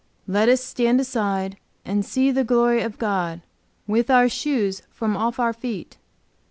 "Let us stand aside and see the glory of God, with our shoes from off our feet."